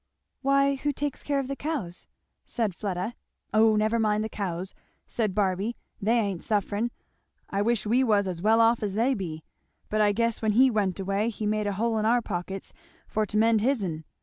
"Why who takes care of the cows?" said Fleda. "O never mind the cows," said Barby; "they ain't suffering; I wish we was as well off as they be; but I guess when he went away he made a hole in our pockets for to mend his'n.